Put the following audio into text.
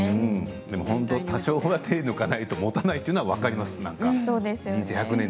でも多少手を抜かないともたないというのは分かります。